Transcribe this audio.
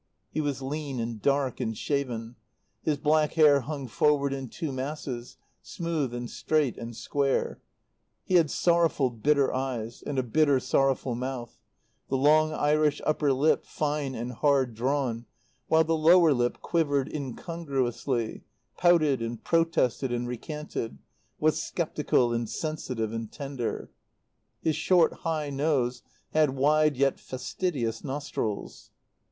He was lean and dark and shaven; his black hair hung forward in two masses, smooth and straight and square; he had sorrowful, bitter eyes, and a bitter, sorrowful mouth, the long Irish upper lip fine and hard drawn, while the lower lip quivered incongruously, pouted and protested and recanted, was sceptical and sensitive and tender. His short, high nose had wide yet fastidious nostrils.